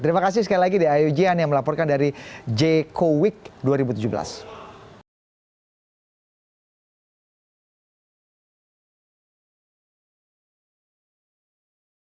terima kasih sekali lagi di ayo jihan yang melaporkan dari jangan lupa